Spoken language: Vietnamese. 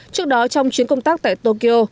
trước đó trong chuyến công tác tại tokyo